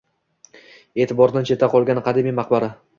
E’tibordan chetda qolgan qadimiy maqbara